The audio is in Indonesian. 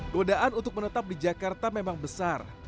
godaan untuk menetap di jakarta memang besar